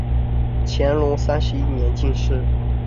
乾隆三十一年进士。